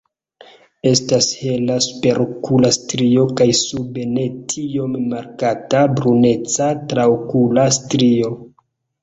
Estas hela superokula strio kaj sube ne tiom markata bruneca traokula strio.